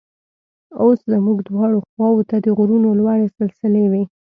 اوس زموږ دواړو خواو ته د غرونو لوړې سلسلې وې.